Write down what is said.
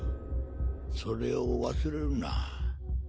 それを忘れるな。